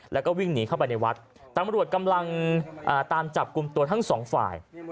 แล้วก็วิ่งหนีเข้าไปในวัดตำรวจกำลังตามจับกลุ่มตัวทั้งสองฝ่าย